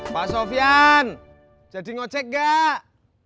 pak sofyan jadi ngecek gak